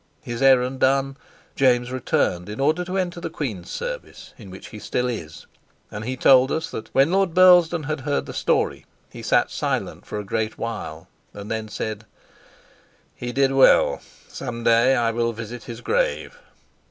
His errand done, James returned in order to enter the queen's service, in which he still is; and he told us that when Lord Burlesdon had heard the story he sat silent for a great while, and then said: "He did well. Some day I will visit his grave.